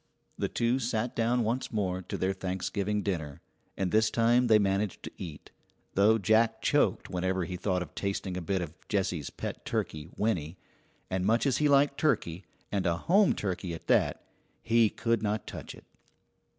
The two sat down once more to their Thanksgiving dinner, and this time they managed to eat, though Jack choked whenever he thought of tasting a bit of Jessie's pet turkey, Winnie; and much as he liked turkey, and a home turkey at that, he could not touch it.